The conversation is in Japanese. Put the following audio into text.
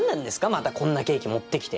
またこんなケーキ持ってきて。